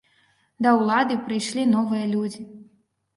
Да ўлады прыйшлі новыя людзі.